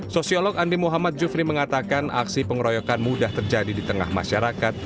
sosiolog andi muhammad jufri mengatakan aksi pengeroyokan mudah terjadi di tengah masyarakat